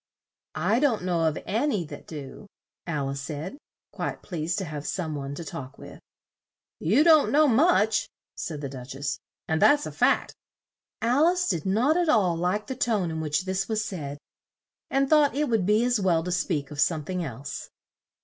"I don't know of an y that do," Al ice said, quite pleased to have some one to talk with. "You don't know much," said the Duch ess; "and that's a fact." Al ice did not at all like the tone in which this was said, and thought it would be as well to speak of some thing else.